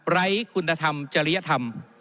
ไร้คุณธรรมจริยธรรม